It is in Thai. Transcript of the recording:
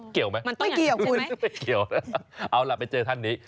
เกี่ยวไหมไม่เกี่ยวไม่เกี่ยวนะครับเอาล่ะไปเจอท่านนี้